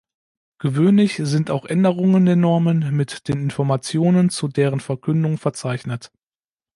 Gewöhnlich sind auch Änderungen der Normen mit den Informationen zu deren Verkündung verzeichnet.